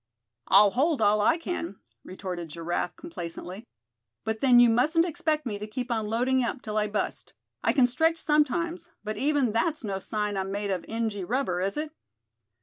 "I'll hold all I can," retorted Giraffe, complacently; "but then you mustn't expect me to keep on loading up, till I bust. I c'n stretch sometimes; but even that's no sign I'm made of injy rubber, is it?"